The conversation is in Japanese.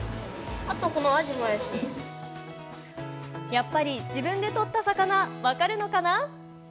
やっぱり自分で取った魚分かるのかな。